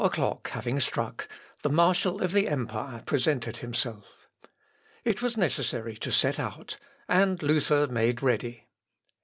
] Four o'clock having struck, the marshal of the empire presented himself. It was necessary to set out, and Luther made ready.